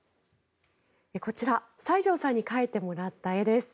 こちら、西條さんに描いてもらった絵です。